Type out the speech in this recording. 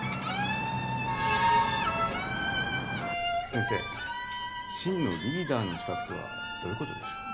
先生真のリーダーの資格とはどういうことでしょう？